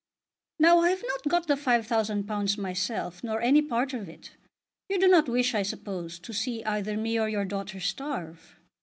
"Now I have not got £5000 myself, nor any part of it. You do not wish, I suppose, to see either me or your daughter starve.